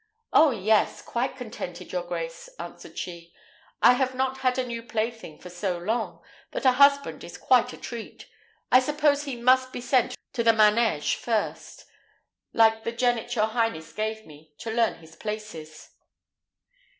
"Oh, yes! quite contented, your grace," answered she. "I have not had a new plaything for so long, that a husband is quite a treat. I suppose he must be sent to the manège first, like the jennet your highness gave me, to learn his paces."